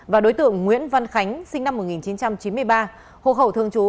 và đối tượng nguyễn văn khánh sinh năm một nghìn chín trăm chín mươi ba hộ khẩu thường trú